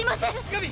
ガビ！！